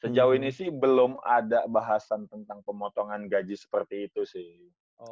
sejauh ini sih belum ada bahasan tentang pemotongan gaji seperti itu sih